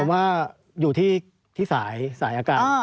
ผมว่าอยู่ที่สายอากาศ